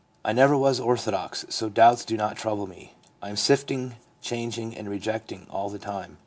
I never was orthodox, so doubts do not trouble me. I am sifting, changing, rejecting, all the time.